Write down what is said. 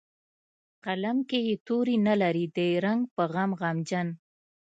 قلم کې یې توري نه لري د رنګ په غم غمجن